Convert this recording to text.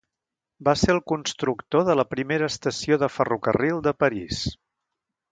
Va ser el constructor de la primera estació de ferrocarril de París.